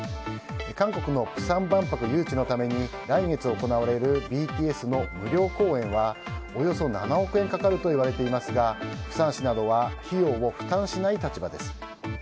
韓国の釜山万博誘致のために来月行われるＢＴＳの無料公演はおよそ７億円かかるといわれていますが釜山市などは費用を負担しない立場です。